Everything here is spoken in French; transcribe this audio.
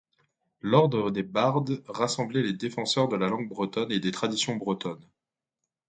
L'ordre des bardes rassemblait les défendeurs de la langue bretonne et des traditions bretonnes.